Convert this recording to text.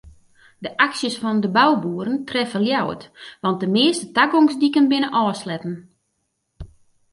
De aksjes fan de bouboeren treffe Ljouwert want de measte tagongsdiken binne ôfsletten.